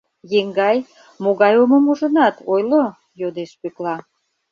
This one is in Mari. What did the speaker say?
— Еҥгай, могай омым ужынат, ойло? — йодеш Пӧкла.